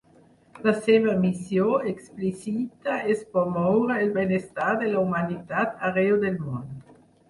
La seva missió explícita és promoure el benestar de la humanitat arreu del món.